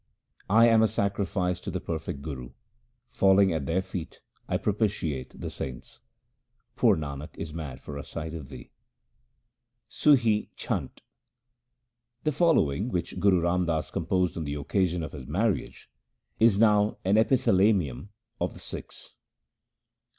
I am a sacrifice to the perfect Guru : falling at their feet I propitiate the saints. Poor Nanak is mad for a sight of Thee. Sum Chhant The following, which Guru Ram Das composed on the occasion of his marriage, is now an epithalamium of the Sikhs.